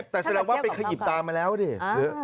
แต่แสดงว่าไปขยิบตามมาแล้วดิหรือเฮ้ย